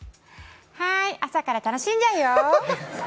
はい、朝から楽しんじゃうよ